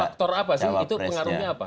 faktor apa sih itu pengaruhnya apa